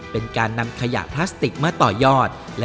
เป็นการนำขยะพลาสติกมาต่อยอด